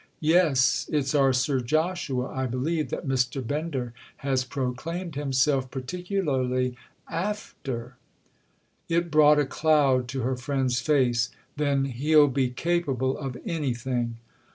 "Yes—it's our Sir Joshua, I believe, that Mr. Bender has proclaimed himself particularly 'after.'" It brought a cloud to her friend's face. "Then he'll be capable of anything."